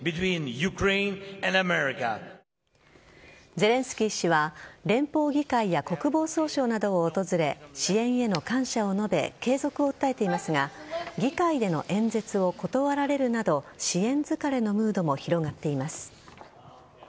ゼレンスキー氏は連邦議会や国防総省などを訪れ支援への感謝を述べ継続を訴えていますが議会での演説を断られるなど支援疲れのムードも広がっています。